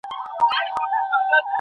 علمي مجله په پټه نه بدلیږي.